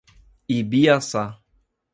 Ibiaçá